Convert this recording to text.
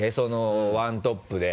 ワントップで。